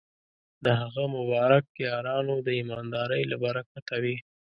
د هغه مبارک یارانو د ایماندارۍ له برکته وې.